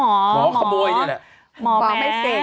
หมอขโมยนี่แหละหมอแม่